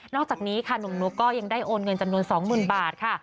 อกจากนี้ค่ะหนุ่มนุ๊กก็ยังได้โอนเงินจำนวน๒๐๐๐บาทค่ะ